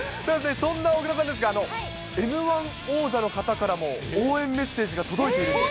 そんな小椋さんですが、Ｍー１王者の方からも応援メッセージが届いているんです。